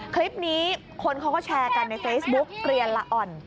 คลิปนี้คนเขาก็แชร์กันในเฟซบุ๊กเกลียนละอ่อน